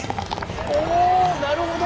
おなるほど！